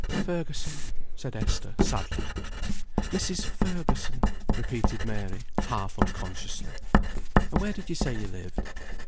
"Fergusson," said Esther, sadly. "Mrs. Fergusson," repeated Mary, half unconsciously. "And where did you say you lived?"